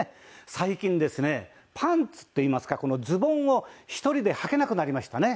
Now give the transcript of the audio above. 最近ですねパンツっていいますかこのズボンを１人ではけなくなりましたね。